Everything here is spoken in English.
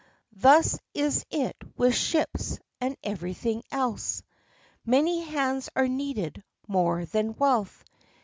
Thus is it with ships, and every thing else ; Many hands are needed more than wealth.